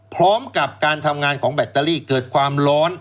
พร้อมกับการทำงานของแบตเตอรี่เกิดความร้อน